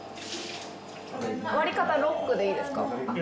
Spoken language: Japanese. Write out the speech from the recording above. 割り方ロックでいいですか？